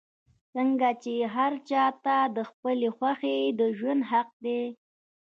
څنګ چې هر چا ته د خپلې خوښې د ژوند حق دے